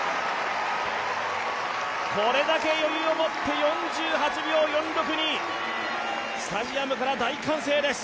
これだけ余裕を持って４８秒４６に、スタジアムから大歓声です。